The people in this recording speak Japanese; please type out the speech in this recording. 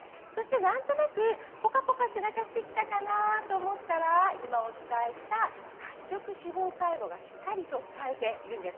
なんとなく、背中がポカポカしてきたかなと思ったら今お伝えした褐色脂肪細胞がしっかりと使えているんです。